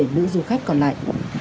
nữ du khách còn lại